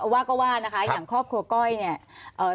ว่าก็ว่านะคะอย่างครอบครัวก้อยเนี่ย